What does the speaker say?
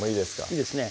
いいですね